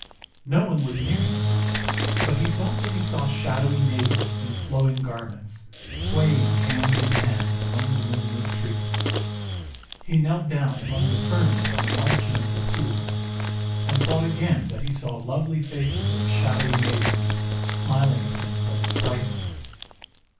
No one was near him, but he thought that he saw shadowy maidens in flowing garments, sway ing hand in hand among the moonlit trees. 1 See page 383. 152 THE WONDER GARDEN He knelt down among the Ferns on the margin of the pool, and thought again that he saw lovely faces of shadowy maidens smiling at him from its brightness.